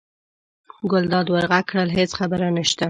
ګلداد ور غږ کړل: هېڅ خبره نشته.